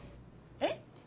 えっ？